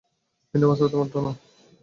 কিন্তু বাস্তবে তেমনটা নয়।